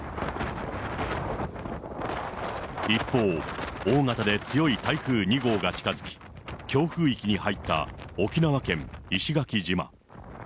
一方、大型で強い台風２号が近づき、強風域に入った沖縄県石垣島。